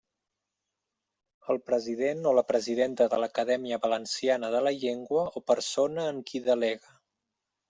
El president o la presidenta de l'Acadèmia Valenciana de la Llengua o persona en qui delegue.